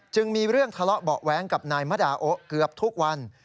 มีเรื่องทะเลาะเบาะแว้งกับนายมดาโอ๊เกือบทุกวัน